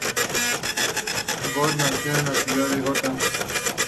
Groot nació en la ciudad de Bogotá.